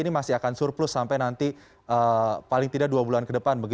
ini masih akan surplus sampai nanti paling tidak dua bulan ke depan